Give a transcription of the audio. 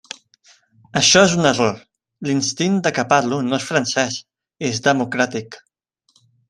Això és un error: l'instint de què parlo no és francès, és democràtic.